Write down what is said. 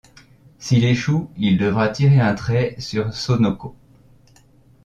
S'il échoue, il devra tirer un trait sur Sonoko.